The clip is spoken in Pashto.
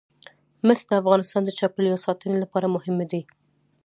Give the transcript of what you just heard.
مس د افغانستان د چاپیریال ساتنې لپاره مهم دي.